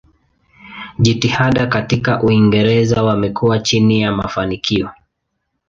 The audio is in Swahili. Jitihada katika Uingereza wamekuwa chini ya mafanikio.